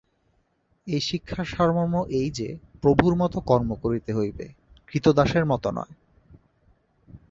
এই শিক্ষার সারমর্ম এই যে প্রভুর মত কর্ম করিতে হইবে, ক্রীতদাসের মত নয়।